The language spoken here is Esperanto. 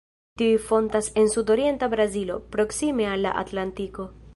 Tiuj fontas en sudorienta Brazilo, proksime al la Atlantiko.